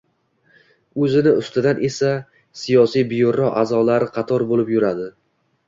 O’zini ustidan esa... Siyosiy byuro a’zolari qator bo‘lib yuradi!